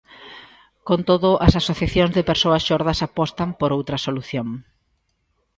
Con todo, as asociacións de persoas xordas apostan por outra solución.